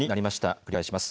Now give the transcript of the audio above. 繰り返します。